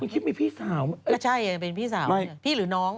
คุณคิดมันเป็นพี่สาวแล้วใช่แหละเป็นพี่หรือน้อง